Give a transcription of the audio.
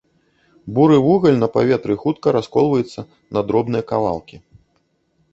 Буры вугаль на паветры хутка расколваецца на дробныя кавалкі.